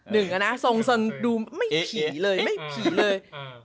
อเรนนี่ดูไม่ผีเลย